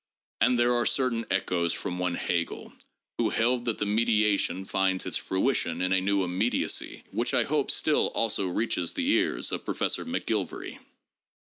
And there are certain echoes from one Hegel, who held that the mediation finds its fruition in a new immediacy which I hope still also reaches the ears of Professor McGilvary.